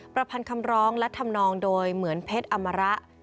ประพันธ์คำร้องและทำนองโดยเหมือนเพชรอมระ